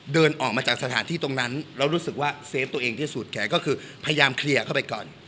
เดินออกมาจากสถานที่ตรงนั้นแล้วรู้สึกว่าเซฟตัวเองที่สุดแขนก็คือพยายามเคลียร์เข้าไปก่อน